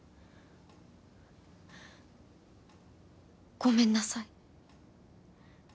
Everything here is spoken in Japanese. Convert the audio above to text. ごめんなさい